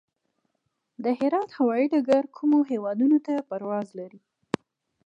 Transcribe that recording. د هرات هوايي ډګر کومو هیوادونو ته پرواز لري؟